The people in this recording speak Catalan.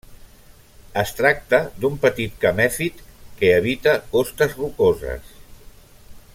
Es tracta d'un petit camèfit que habita costes rocoses.